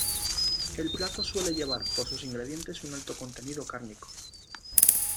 El plato suele llevar, por sus ingredientes, un alto contenido cárnico.